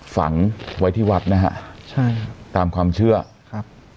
ฝังไว้ที่วัดนะฮะใช่ตามความเชื่อครับ